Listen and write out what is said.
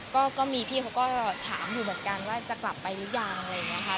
ก็มีพี่เขาก็ถามอยู่เหมือนกันว่าจะกลับไปหรือยังอะไรอย่างนี้ค่ะ